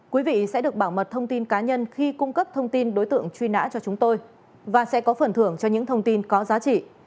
quý vị sẽ được bảo mật thông tin cá nhân khi cung cấp thông tin đối tượng truy nã cho chúng tôi và sẽ có phần thưởng cho những thông tin có giá trị